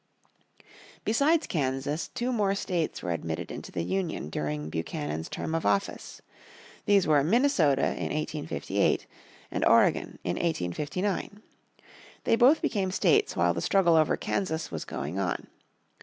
Besides Kansas, two more states were admitted into the Union during Buchanan's term of office. These were Minnesota in 1858 and Oregon in 1859. They both became states while the struggle over Kansas was going on.